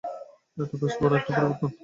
এটা বেশ বড় একটা পরিবর্তন।